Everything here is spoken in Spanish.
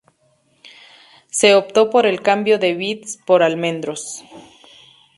Se optó por el cambio de vides por almendros.